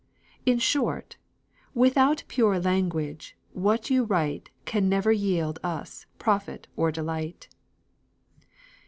In short, without pure language, what you write Can never yield us profit or delight.